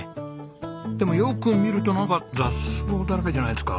でもよく見るとなんか雑草だらけじゃないですか？